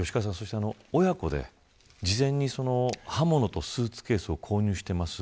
親子で事前に刃物とスーツケースを購入しています。